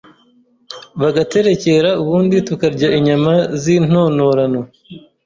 bagaterekera ubundi tukarya inyama z’intonorano